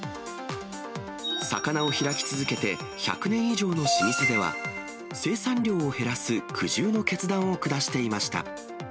魚を開き続けて１００年以上の老舗では、生産量を減らす苦渋の決断を下していました。